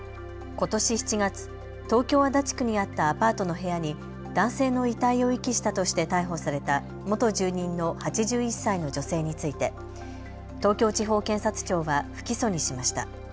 ことし７月、東京足立区にあったアパートの部屋に男性の遺体を遺棄したとして逮捕された元住人の８１歳の女性について東京地方検察庁は不起訴にしました。